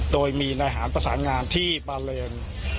โดยมีนายหารประสานงานที่บาเลน